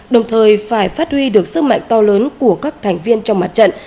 đồng thời phải phát huy được sức mạnh to lớn của các thành viên trong mặt trận